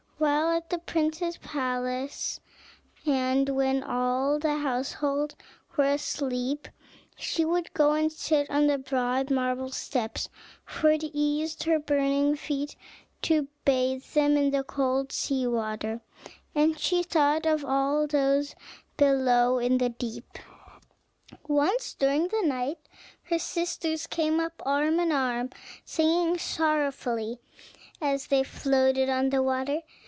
While at the prince's palace, and when all the household were asleep, she would go and sit on the broad marble steps; for it eased her burning feet to bathe them in the cold sea water; and then she thought of all those below in the deep. Once during the night her sisters came up arm in arm, singing sorrowfully, as they floated on the water.